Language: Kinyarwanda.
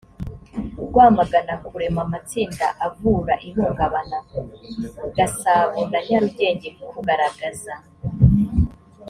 rwamagana kurema amatsinda avura ihungabana gasabo na nyarugenge kugaragaza